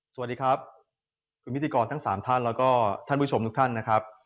สวัสดีครับคุณพิธีกรทั้งสามท่านแล้วก็ท่านผู้ชมทุกท่านนะครับ